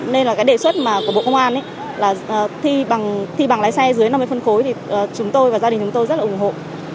nên là cái đề xuất mà của bộ công an là thi bằng lái xe dưới năm mươi phân khối thì chúng tôi và gia đình chúng tôi rất là ủng hộ